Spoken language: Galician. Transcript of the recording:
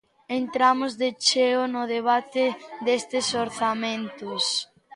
Entramos de cheo no debate destes orzamentos.